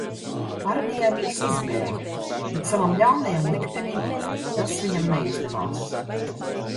Armijai Miks izbēga, bet savam ļaunajam liktenim tas viņam neizdevās.